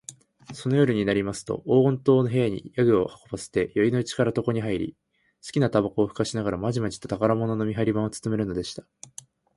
その夜になりますと、黄金塔の部屋に夜具を運ばせて、宵よいのうちから床にはいり、すきなたばこをふかしながら、まじまじと宝物の見はり番をつとめるのでした。